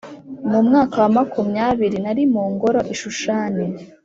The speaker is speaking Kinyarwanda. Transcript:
mu mwaka wa makumyabiri nari mu ngoro i Shushani